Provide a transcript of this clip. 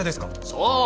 そう！